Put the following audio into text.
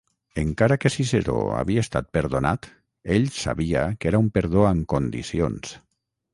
Encara que Ciceró havia estat perdonat, ell sabia que era un perdó amb condicions.